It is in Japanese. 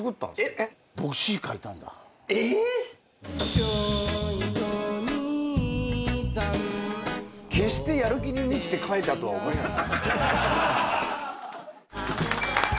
『くつみがき』決してやる気に満ちて書いたとは思えない。